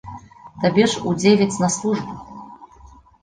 Табе ж у дзевяць на службу.